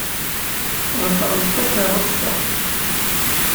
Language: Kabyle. Ḍefṛemt takeṛṛust-a.